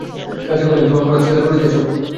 রাজা কহিলেন, তুমি অপরাধ স্বীকার করিতেছ?